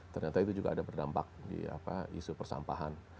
ternyata itu juga ada berdampak di isu persampahan